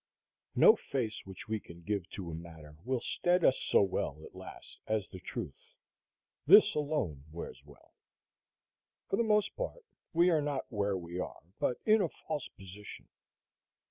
No face which we can give to a matter will stead us so well at last as the truth. This alone wears well. For the most part, we are not where we are, but in a false position.